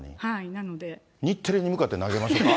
日テレに向かって投げましょうか。